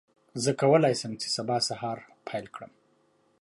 زه کولی شم چې سبا سهار پیل کړم.